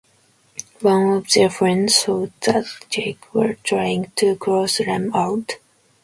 One of their friends thought that Jackie was trying to close Lem out.